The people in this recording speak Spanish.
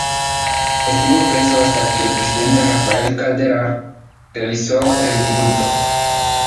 Estuvo preso hasta que el presidente Rafael Caldera realizó el indulto.